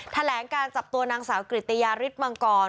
แถลงการจับตัวนางสาวกริตยาฤทธิมังกร